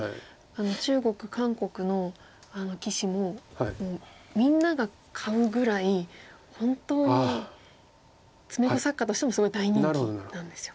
中国韓国の棋士もみんなが買うぐらい本当に詰碁作家としてもすごい大人気なんですよ。